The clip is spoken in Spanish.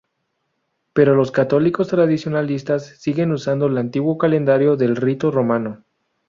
Pero los católicos tradicionalistas siguen usando el antiguo calendario del rito romano.